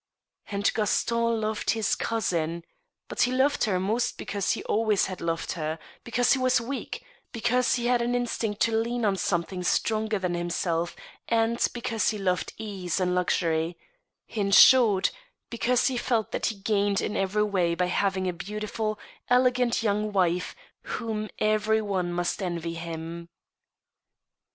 And Gaston loved his cousin. But he loved her most because he always had loved her, because he was weak, because he had an instinct to lean on something stronger than himself, and because he loved ease and luxury ; in short, because he felt that he gained in every way by having a beautiful, elegant, young wife whom every one must envy him.